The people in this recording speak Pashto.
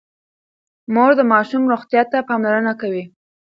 مور د ماشوم روغتيا ته پاملرنه کوي.